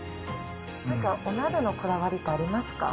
なんかお鍋のこだわりってありますか？